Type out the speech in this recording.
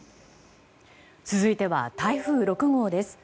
続いては台風６号です。